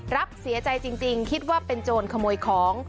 รับเสียใจจริงคิดว่าเป็นโจรขโมยของ